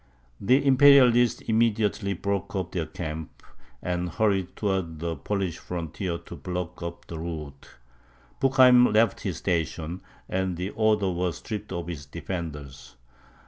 The Imperialists immediately broke up their camp, and hurried towards the Polish frontier to block up the route; Bucheim left his station, and the Oder was stripped of its defenders.